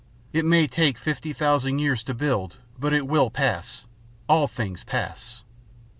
It may take fifty thousand years to build, but it will pass. All things pass.